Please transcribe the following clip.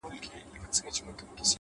علم د ناپوهۍ پر وړاندې سپر دی؛